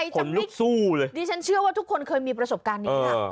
คนลูกสู้เลยนะครับค่ะนี่ฉันเชื่อว่าทุกคนเคยมีประสบการณ์นี้ค่ะ